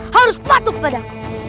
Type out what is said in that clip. harus patuh padaku